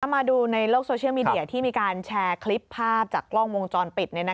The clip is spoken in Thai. มาดูในโลกโซเชียลมีเดียที่มีการแชร์คลิปภาพจากกล้องวงจรปิด